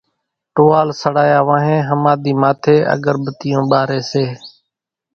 ٽوئال سڙايا وانھين ۿماۮي ماٿي اڳر ٻتيون ٻاري سي